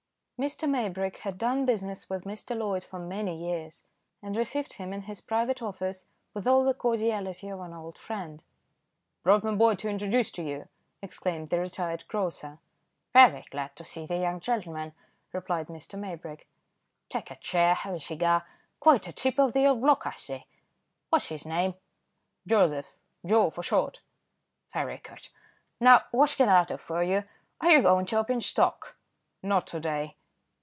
Mr. Maybrick had done business with Mr. Loyd for many years, and received him in his private office with all the cordiality of an old friend. "Brought my boy to introduce to you," exclaimed the retired grocer. "Very glad to know the young gentleman," replied Mr. Maybrick; "take a chair. Have a cigar. Quite a chip of the old block, I see; what's his name?" "Joseph. Joe for short." "Very good; now what can I do for you, are you going to open stock?" "Not to day."